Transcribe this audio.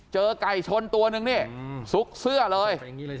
เจอกัยชนตัวนึงสุกเสื้อเลย